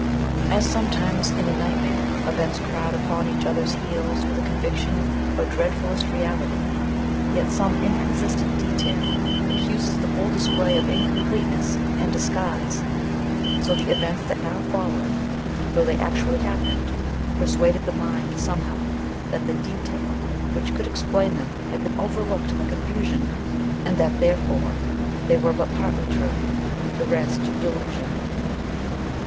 As, sometimes, in a nightmare events crowd upon each other's heels with a conviction of dreadfulest reality, yet some inconsistent detail accuses the whole display of incompleteness and disguise, so the events that now followed, though they actually happened, persuaded the mind somehow that the detail which could explain them had been overlooked in the confusion, and that therefore they were but partly true, the rest delusion.